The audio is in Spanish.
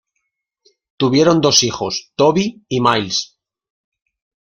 Tuvieron dos hijos, Tobi y Miles.